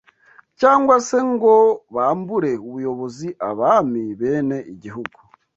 cyangwa se ngo bambure ubuyobozi abami bene igihugu